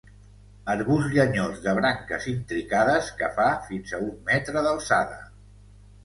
Arbust llenyós de branques intricades que fa fins a un metre d'alçada.